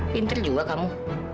pinter juga kamu